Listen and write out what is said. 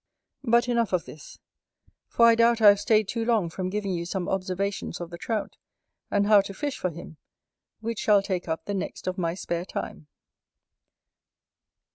But enough of this; for I doubt I have staid too long from giving you some Observations of the Trout, and how to fish for him, which shall take up the next of my spare time.